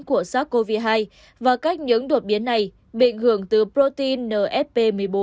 của sars cov hai và cách những đột biến này bị ứng hưởng từ protein nfp một mươi bốn